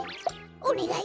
おねがい！